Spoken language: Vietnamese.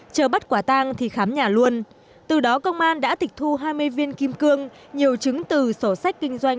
chờ bắt quả tang thì khám nhà luôn từ đó công an đã tịch thu hai mươi viên kim cương nhiều chứng từ sổ sách kinh doanh